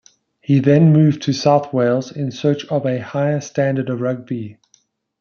He then moved to South Wales in search of a higher standard of rugby.